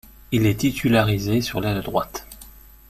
Il est titularisé sur l'aile droite.